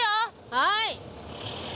はい。